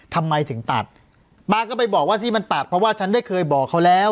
ทำไมถึงตัดป้าก็ไปบอกว่าที่มันตัดเพราะว่าฉันได้เคยบอกเขาแล้ว